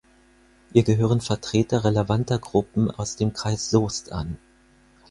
Ihr gehören Vertreter relevanter Gruppen aus dem Kreis Soest an.